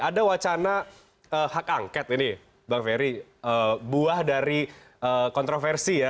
ada wacana hak angket ini bang ferry buah dari kontroversi ya